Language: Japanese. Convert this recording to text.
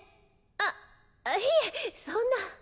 あっいえそんな。